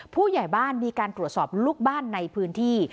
ผู้ใหญ่บ้านมีการตรวจสอบลูกบ้านในพื้นที่